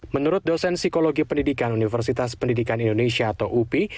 menurut dosen psikologi pendidikan universitas pendidikan indonesia atau upi